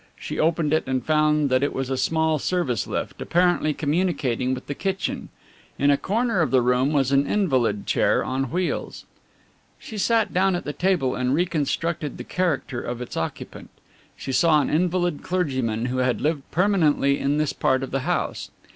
She opened it and found that it was a small service lift, apparently communicating with the kitchen. In a corner of the room was an invalid chair on wheels. She sat down at the table and reconstructed the character of its occupant. She saw an invalid clergyman who had lived permanently in this part of the house.